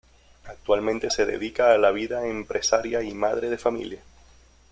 Actualmente se dedica a la vida empresaria y madre de familia.